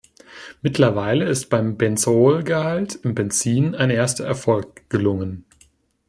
Mittlerweile ist beim Benzolgehalt im Benzin ein erster Erfolg gelungen.